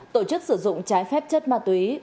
tổ chức sử dụng trái phép chất ma túy